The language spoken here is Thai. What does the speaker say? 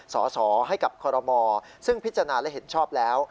สอสอให้กับคอรมอซึ่งพิจารณาและเห็นชอบแล้ว